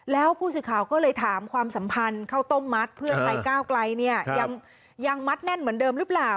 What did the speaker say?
แล้วผู้สื่อข่าวก็เลยถามความสัมพันธ์ข้าวต้มมัดเพื่อไทยก้าวไกลเนี่ยยังมัดแน่นเหมือนเดิมหรือเปล่า